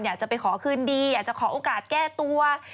อยากจะไปขอคืนดีอยากจะขอโอกาสแก้ตัว